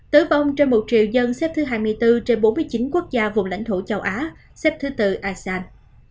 tử vong trên một triệu dân xếp thứ hai mươi bốn trên bốn mươi chín quốc gia vùng lãnh thổ châu á xếp thứ tư asean